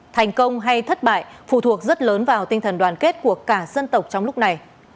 thành công hay thất bại phụ thuộc rất lớn vào tinh thần đoàn kết của cả dân tộc trong lúc này